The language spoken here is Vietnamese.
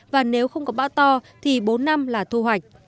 và nếu không có bão to thì bốn năm là thu hoạch